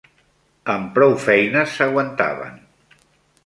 Amb prou feines s'aguantaven